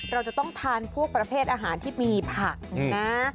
เราจะต้องทานพวกประเภทอาหารที่มีผักนะ